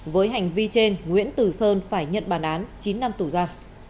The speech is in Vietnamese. với hành vi trên nguyễn từ sơn phải nhận bàn án chín năm tù gia